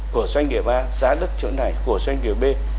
của doanh nghiệp ba giá đất chỗ này của doanh nghiệp b